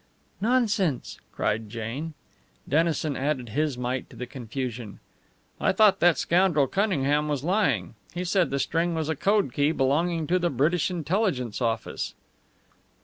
"Nonsense!" cried Jane. Dennison added his mite to the confusion: "I thought that scoundrel Cunningham was lying. He said the string was a code key belonging to the British Intelligence Office."